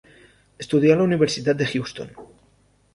Estudià a la Universitat de Houston.